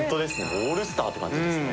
オールスターって感じですね。